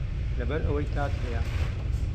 لەبەر ئەوەی تات هەیە